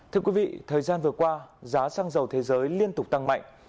thưa quý vị thời gian vừa qua giá xăng dầu thế giới liên tục tăng mạnh